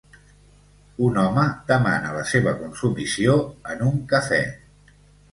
Un home demana la seva consumició en un cafè.